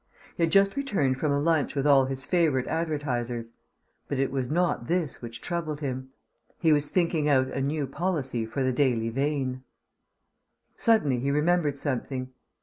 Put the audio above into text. He had just returned from a lunch with all his favourite advertisers ... but it was not this which troubled him. He was thinking out a new policy for The Daily Vane. Suddenly he remembered something.